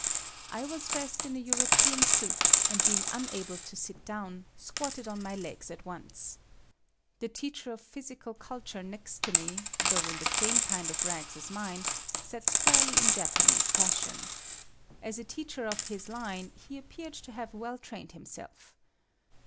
I was dressed in a European suit, and being unable to sit down, squatted on my legs at once. The teacher of physical culture next to me, though in the same kind of rags as mine, sat squarely in Japanese fashion. As a teacher of his line he appeared to have well trained himself.